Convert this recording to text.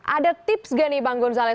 ada tips gak nih bang gonzaleh